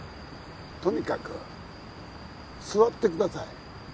とにかく座ってください